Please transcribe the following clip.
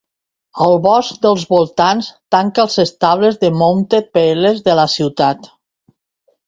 El bosc dels voltants tanca els estables de Mounted Peelers de la ciutat.